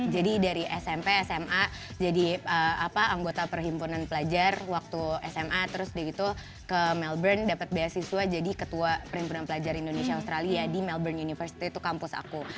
jadi dari smp sma jadi anggota perhimpunan pelajar waktu sma terus dari itu ke melbourne dapat beasiswa jadi ketua perhimpunan pelajar indonesia australia di melbourne university itu kampus aku